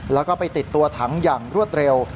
แล้วก็ไปติดตัวถังอย่างรวดเร็ว